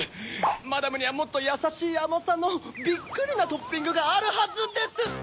マダムにはもっとやさしいあまさのビックリなトッピングがあるはずです！